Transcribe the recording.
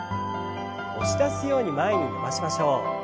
押し出すように前に伸ばしましょう。